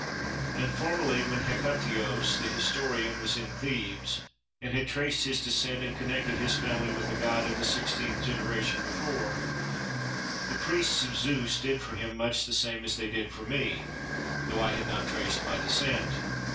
And formerly when Hecataios the historian was in Thebes, and had traced his descent and connected his family with a god in the sixteenth generation before, the priests of Zeus did for him much the same as they did for me (though I had not traced my descent).